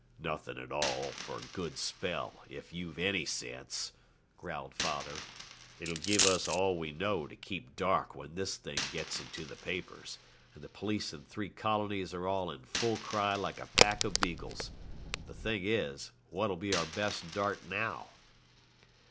'Nothing at all for a good spell, if you've any sense,' growled father. 'It'll give us all we know to keep dark when this thing gets into the papers, and the police in three colonies are all in full cry like a pack of beagles. The thing is, what'll be our best dart now?'